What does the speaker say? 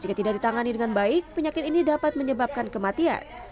jika tidak ditangani dengan baik penyakit ini dapat menyebabkan kematian